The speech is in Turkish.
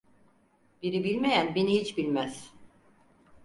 Biri bilmeyen bini hiç bilmez.